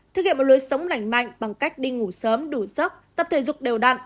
thực hiện một lối sống lành mạnh bằng cách đi ngủ sớm đủ sức tập thể dục đều đặn